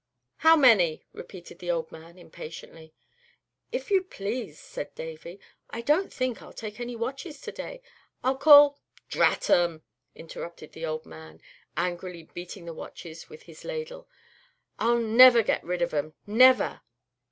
"How many?" repeated the old man, impatiently. "If you please," said Davy, "I don't think I'll take any watches to day. I'll call" "Drat 'em!" interrupted the old man, angrily beating the watches with his ladle; "I'll never get rid of em never!"